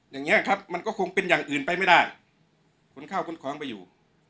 อย่างนี้ครับมันก็คงเป็นอย่างอื่นไปไม่ได้ขนข้าวขนของไปอยู่